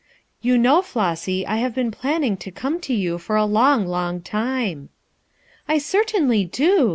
"You know, Flossy, I liave been planning to come to you for a long, long time." "I certainly do!"